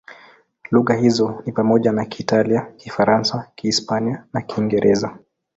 Lugha hizo ni pamoja na Kiitalia, Kifaransa, Kihispania na Kiingereza.